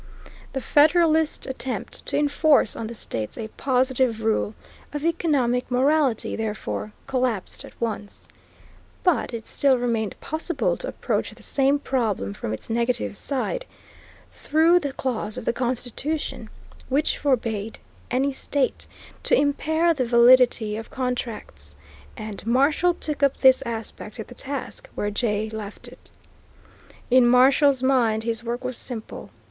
The Federalist attempt to enforce on the states a positive rule of economic morality, therefore, collapsed at once, but it still remained possible to approach the same problem from its negative side, through the clause of the Constitution which forbade any state to impair the validity of contracts, and Marshall took up this aspect of the task where Jay left it. In Marshall's mind his work was simple.